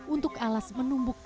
untuk alas menumbuk